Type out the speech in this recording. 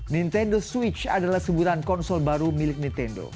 nintendo switch adalah sebutan konsol baru milik nintendo